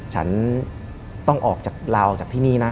ฉันต้องลาออกจากที่นี่นะ